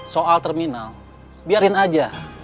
soal terminal biarin aja